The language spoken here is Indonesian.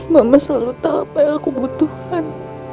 mama selalu tahu apa yang aku butuhkan